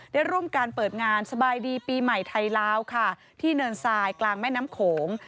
ได้ร่วมการเปิดงานสบายดีปีใหม่ไทยลาวค่ะที่เนินทรายกลางแม่น้ำโขง